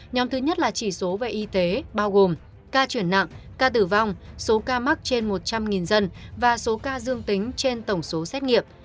nhóm thứ nhất là chỉ số về y tế bao gồm ca chuyển nặng ca tử vong số ca mắc trên một trăm linh dân và số ca dương tính trên tổng số xét nghiệm